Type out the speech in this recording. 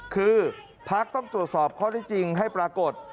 คือพักต้องตรวจสอบข้อที่จริงให้ปรากฏ